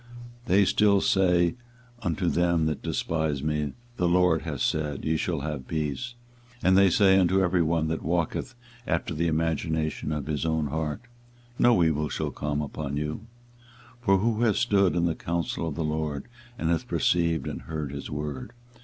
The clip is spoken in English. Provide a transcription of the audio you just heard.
24:023:017 They say still unto them that despise me, The LORD hath said, Ye shall have peace; and they say unto every one that walketh after the imagination of his own heart, No evil shall come upon you. 24:023:018 For who hath stood in the counsel of the LORD, and hath perceived and heard his word?